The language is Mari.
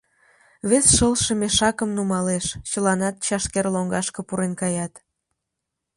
Вес шылше мешакым нумалеш, чыланат чашкер лоҥгашке пурен каят.